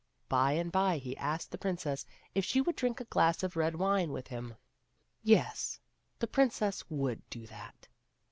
By and by he asked the princess if she would drink a glass of red wine with him. Yes, the princess would do that.